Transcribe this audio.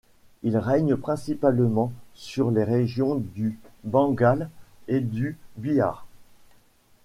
Il règne principalement sur les régions du Bengale et du Bihar.